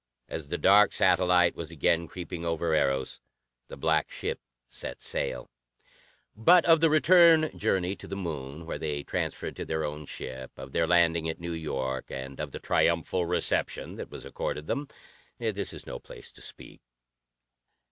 As the dark satellite was again creeping over Eros, the black ship set sail. But of the return journey to the Moon, where they transferred to their own ship, of their landing at New York, and of the triumphal reception that was accorded them, this is no place to speak.